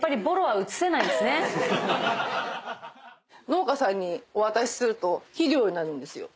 農家さんにお渡しすると肥料になるんですよ。